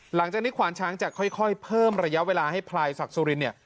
หลังจากนี้ขวานช้างจะค่อยเพิ่มระยะเวลาให้พลายศักดิ์สุรินเนี่ย